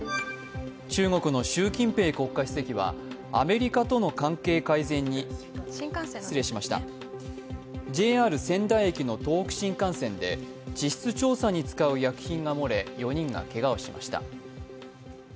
中国の習近平国家主席はアメリカとの失礼しました、ＪＲ仙台駅の東北新幹線で地質調査に使う薬品がもれ、４人がけがをしました。